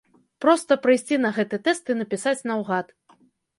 Проста прыйсці на гэты тэст і напісаць наўгад.